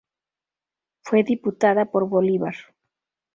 Fue diputada por Bolívar.